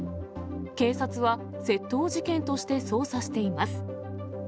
警察は窃盗事件として捜査しています。